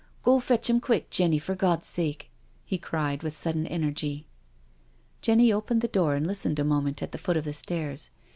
Go, fetch 'im quick, Jenny, for Gawd's sake," he cried with sudden energy. Jenny opened the door and listened a moment at the foot of the stairs.